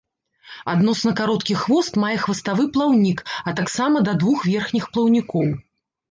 Адносна кароткі хвост мае хваставы плаўнік, а таксама да двух верхніх плаўнікоў.